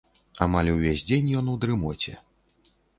Амаль увесь дзень ён у дрымоце.